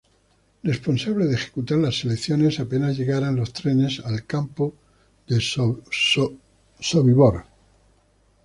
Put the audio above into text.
Responsable de ejecutar las selecciones apenas llegaran los trenes al campo de Sobibor.